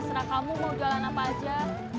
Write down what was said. seserah kamu mau jualan apa aja